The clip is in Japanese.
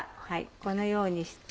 このようにして。